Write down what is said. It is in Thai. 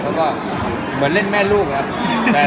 เขาก็เหมือนเล่นแม่ลูกนะ